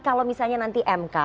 kalau misalnya nanti mk